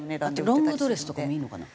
ロングドレスとかもいいのかな？